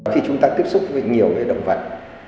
khi chúng ta tiếp xúc với nhiều động vật